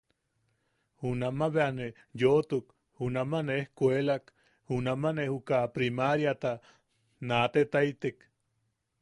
Junama bea ne yoʼotuk, junama ne ejkuelak, junama ne juka primaariata naatetaitek.